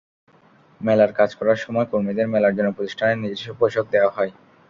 মেলার কাজ করার সময় কর্মীদের মেলার জন্য প্রতিষ্ঠানের নির্দিষ্ট পোশাক দেওয়া হয়।